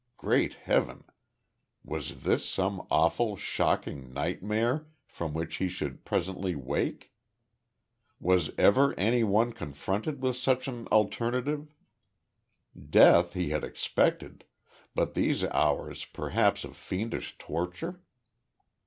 Great Heaven! was this some awful, shocking nightmare from which he should presently wake? Was ever any one confronted with such an alternative? Death he had expected, but these hours perhaps of fiendish torture?